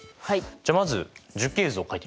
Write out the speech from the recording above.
じゃあまず樹形図を書いてみます。